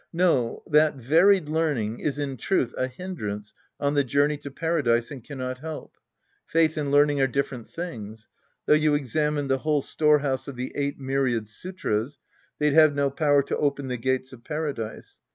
No, that^^ie^earning is in truth a hindrance on the journey to Paradise and cannot help. Faith and learning are different tilings. Though you examined the whole storehouse of the eight myriad sutras, they'd have no power to open the gates of Paradise.